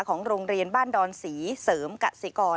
ของโรงเรียนบ้านดอนศรีเสริมกสิกร